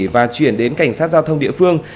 và chuyển đến cảnh sát giao thông địa phương